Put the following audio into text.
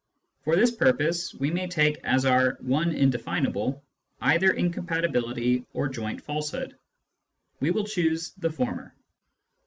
For this purpose, we may take as our one indefinable either incompatibility or joint falsehood. We will choose the former.